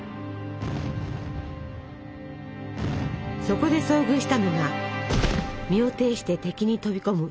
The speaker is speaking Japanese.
そこで遭遇したのが身をていして敵に飛び込む一人の日本兵。